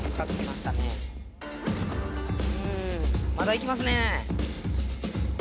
まだいきますね。